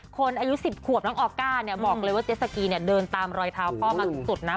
อายุ๑๐ขวบน้องออก้าเนี่ยบอกเลยว่าเจสสกีเนี่ยเดินตามรอยเท้าพ่อมาสุดนะ